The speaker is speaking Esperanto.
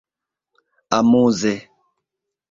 amuze